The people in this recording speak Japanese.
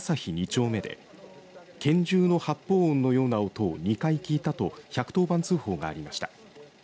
丁目で拳銃の発砲音のような音を２回聞いたと１１０番通報がありました。